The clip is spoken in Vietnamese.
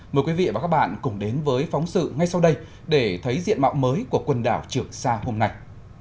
mời quý vị và các bạn cùng đến với phóng sự ngay sau đây để thấy diện mạo mới của quần đảo trường sa hôm nay